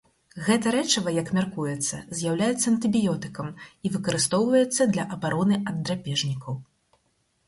Гэта рэчыва, як мяркуецца, з'яўляецца антыбіётыкам і выкарыстоўваецца для абароны ад драпежнікаў.